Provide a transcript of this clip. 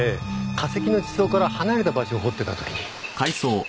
化石の地層から離れた場所を掘ってた時に。